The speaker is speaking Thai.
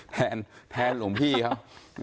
แทนหลวงพี่เขา